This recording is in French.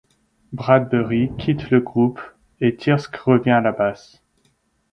Bradbury quitte le groupe et Thirsk revient à la basse.